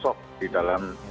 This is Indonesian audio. supaya kita bisa berpikir